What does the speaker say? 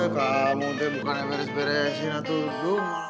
kamu bukan yang beres beresin atuh